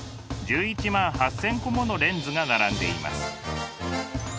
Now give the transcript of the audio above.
１１万８，０００個ものレンズが並んでいます。